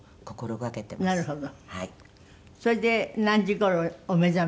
それで何時頃お目覚め？